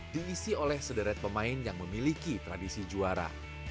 diisi oleh sederet pemain yang memiliki tradisi juara